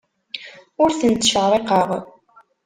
Ur ten-ttcerriqeɣ.